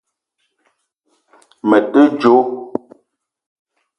Me te djo